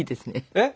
えっ？